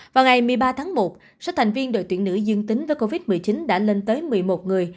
vào ngày một mươi ba tháng một số thành viên đội tuyển nữ dương tính với covid một mươi chín đã lên tới một mươi một người